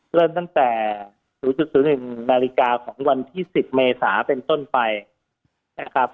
เริ่มตั้งแต่๐๐๑นาฬิกาของวันที่๑๐เมษาเป็นต้นไปนะครับ